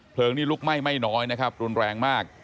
นี่ลุกไหม้ไม่น้อยนะครับรุนแรงมาก